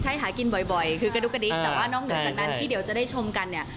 แต่ว่านอกจากนั้นที่เดี๋ยวจะได้ชมกัน